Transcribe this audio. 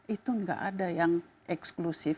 itu nggak ada yang eksklusif